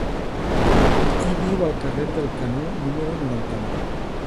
Qui viu al carrer del Canó número noranta-nou?